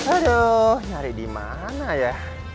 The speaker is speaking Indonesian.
aduh nyari di mana ya